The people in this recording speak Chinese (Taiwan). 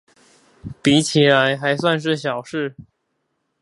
比起來還算是小事